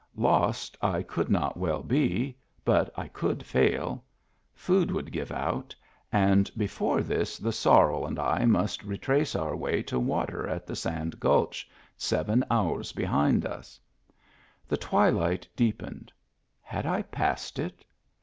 Lost I could not well be, but I could fail ; food would give out, and before this the sorrel Digitized by Google IQO MEMBERS OF THE FAMILY and I must retrace our way to water at the Sand Gulch, seven hours behind us. The twilight deepened. Had I passed it?